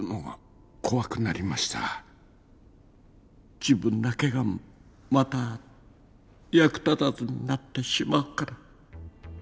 自分だけがまた役立たずになってしまうから。